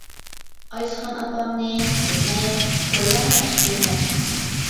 ئايسىخان ئاپامنى، سىزنى، قويلارنى ياخشى كۆرىمەن.